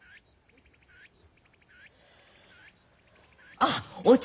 あっお茶